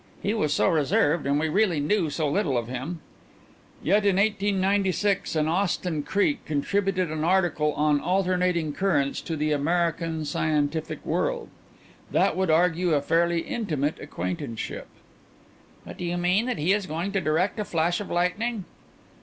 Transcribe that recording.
He was so reserved, and we really knew so little of him " "Yet in 1896 an Austin Creake contributed an article on 'Alternating Currents' to the American Scientific World. That would argue a fairly intimate acquaintanceship." "But do you mean that he is going to direct a flash of lightning?"